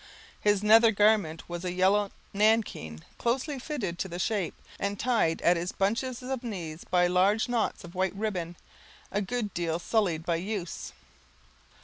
His nether garment was a yellow nankeen, closely fitted to the shape, and tied at his bunches of knees by large knots of white ribbon, a good deal sullied by use.